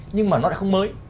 nhưng mà nó lại không mới